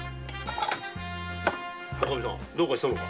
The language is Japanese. どうかしたのか？